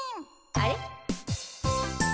あれ？